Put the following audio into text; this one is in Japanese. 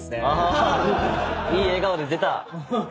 いい笑顔で出た。